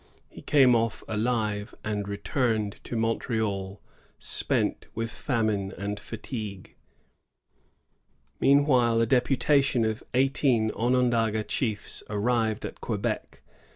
He came off alive and returned to Montreal, spent with famine and fatigue. Meanwhile a deputation of eighteen Onondaga chiefs arrived at Quebec.